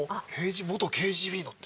元ＫＧＢのって。